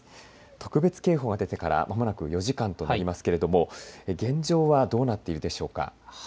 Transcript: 特別警報が出てから、まもなく４時間となりますけれども現状はどうなっているでしょうか。